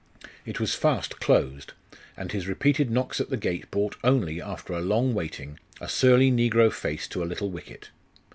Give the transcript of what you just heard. It was fast closed; and his repeated knocks at the gate brought only, after long waiting, a surly negro face to a little wicket.